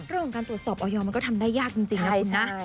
เรื่องของการตรวจสอบออยมันก็ทำได้ยากจริงนะคุณนะ